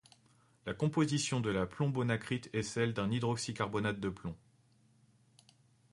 La composition de la plombonacrite est celle d'un hydroxycarbonate de plomb.